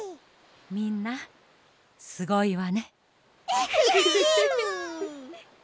みんなすごいわね。